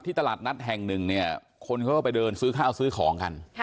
ที่ตลาดนัดแห่ง๑คนอยู่แล้วไปเดินซื้อข้าวซื้อของกัน